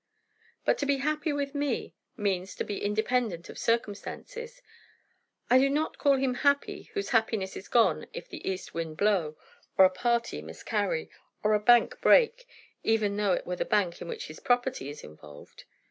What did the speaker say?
"But, to be happy, with me, means, to be independent of circumstances. I do not call him happy, whose happiness is gone if the east wind blow, or a party miscarry, or a bank break; even though it were the bank in which his property is involved."